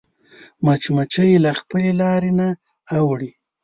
مچمچۍ له خپلې لارې نه اوړي